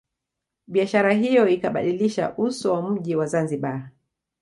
Biashara hiyo ikabadilisha uso wa mji wa Zanzibar